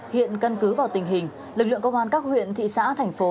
hiện căn cứ vào tình hình lực lượng công an các huyện thị xã thành phố